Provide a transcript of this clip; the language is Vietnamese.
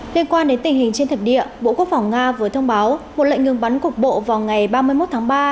liên quan đến tình hình trên thực địa bộ quốc phòng nga vừa thông báo một lệnh ngừng bắn cục bộ vào ngày ba mươi một tháng ba